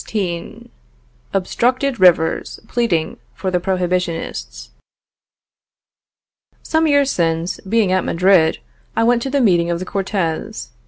XVI. OBSTRUCTED RIVERS PLEADING FOR THE PROHIBITIONISTS. Some years since, being at Madrid, I went to the meeting of the Cortes.